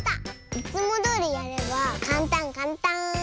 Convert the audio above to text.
いつもどおりやればかんたんかんたん。